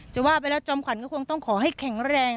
จะว่าไปแล้วจอมขวัญก็คงต้องขอให้แข็งแรง